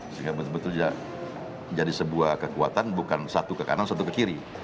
sehingga betul betul jadi sebuah kekuatan bukan satu ke kanan satu ke kiri